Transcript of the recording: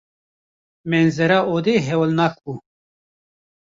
Menzera odê hewilnak bû.